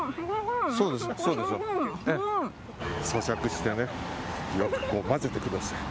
咀嚼してねよく混ぜてください。